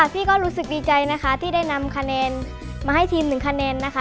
พี่ก็รู้สึกดีใจนะคะที่ได้นำคะแนนมาให้ทีม๑คะแนนนะคะ